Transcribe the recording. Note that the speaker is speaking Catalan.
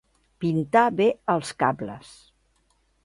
Pintar bé els cables.